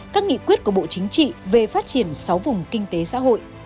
các nghị quyết của bộ chính trị về phát triển sáu vùng kinh tế xã hội